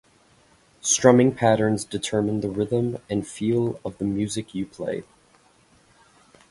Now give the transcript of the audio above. Strumming patterns determine the rhythm and feel of the music you play.